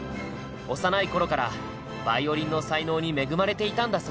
幼いころからヴァイオリンの才能に恵まれていたんだそうだ。